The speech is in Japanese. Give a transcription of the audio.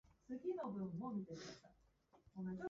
私の一番上の兄が父の名代としてその会合に出席した。